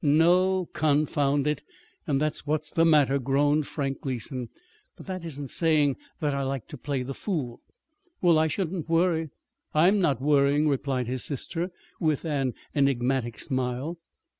"No confound it! And that's what's the matter," groaned Frank Gleason. "But that isn't saying that I like to play the fool." "Well, I shouldn't worry. I'm not worrying," replied his sister, with an enigmatic smile.